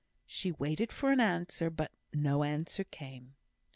She waited for an answer, but no answer came.